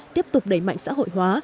tiếp tục đẩy mạnh xã hội hóa